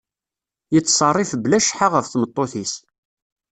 Yettṣerrif bla cceḥḥa ɣef tmeṭṭut-is.